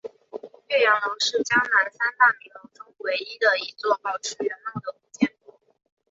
岳阳楼是江南三大名楼中唯一的一座保持原貌的古建筑。